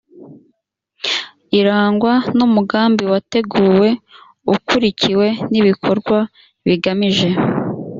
irangwa n umugambi wateguwe ukurikiwe n ibikorwa bigamije